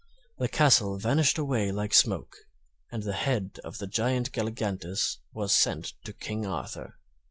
The castle vanished away like smoke, and the head of the Giant Galligantus was sent to King Arthur.